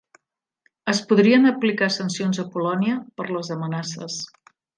Es podrien aplicar sancions a Polònia per les amenaces